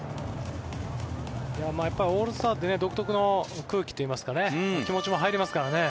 オールスターって独特の空気といいますか気持ちも入りますからね。